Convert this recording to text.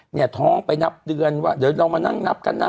เนี่ยท้องไปนับเดือนว่าเดี๋ยวเรามานั่งนับกันนะ